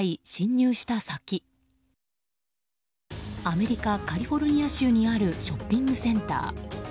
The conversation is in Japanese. アメリカ・カリフォルニア州にあるショッピングセンター。